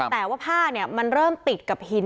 แต่ว่าผ้ามันเริ่มติดกับหิน